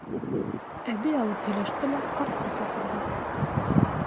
Әбей алып һөйләште лә ҡартты саҡырҙы.